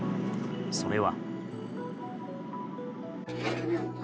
それは。